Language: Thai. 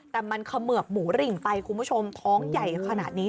แต่มันเขมือบหมูหริ่งไปคุณผู้ชมท้องใหญ่ขนาดนี้